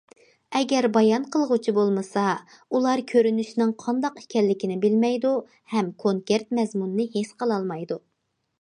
ئەگەر بايان قىلغۇچى بولمىسا، ئۇلار كۆرۈنۈشنىڭ قانداق ئىكەنلىكىنى بىلمەيدۇ ھەم كونكرېت مەزمۇننى ھېس قىلالمايدۇ.